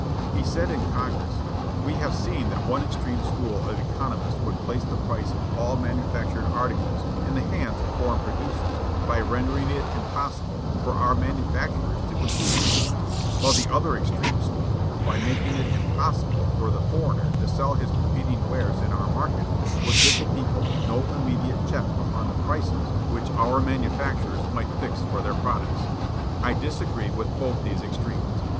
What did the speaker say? He said in Congress: "We have seen that one extreme school of economists would place the price of all manufactured articles in the hands of foreign producers by rendering it impossible for our manufacturers to compete with them; while the other extreme school, by making it impossible for the foreigner to sell his competing wares in our market, would give the people no immediate check upon the prices which our manufacturers might fix for their products. I disagree with both these extremes.